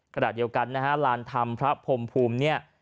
ขณะเดียวกันนะฮะลานธรรมพระพรมภูมิเนี่ย